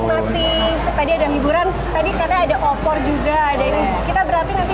ini kayaknya saya menikmati tadi ada hiburan tadi katanya ada opor juga kita berhati hati